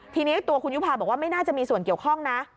ทีนี้ตัวคุณยุภาบอกว่าไม่น่าจะมีส่วนเกี่ยวข้องนะ